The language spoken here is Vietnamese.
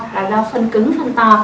là đau phân cứng phân to